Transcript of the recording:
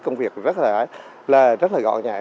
công việc rất là gọn nhẹ